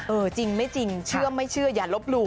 จริงไม่จริงเชื่อไม่เชื่ออย่าลบหลู่